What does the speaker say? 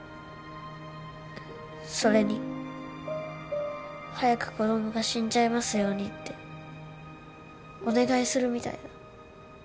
それに早く子供が死んじゃいますようにってお願いするみたいだ。